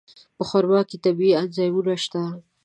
په خرما کې طبیعي انزایمونه شته.